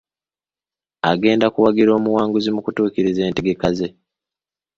Agenda kuwagira omuwanguzi mu kutuukiriza entegeka ze.